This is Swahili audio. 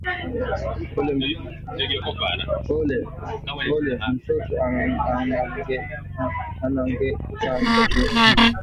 Ule mtoto ananguka ku muchi